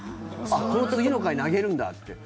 この次の回、投げるんだって。